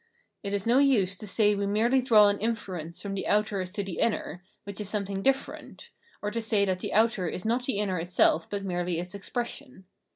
It is no use to say we merely draw an inference from the outer as to the inner, which is something different, or to say that the outer is not the inner itself but merely its expression.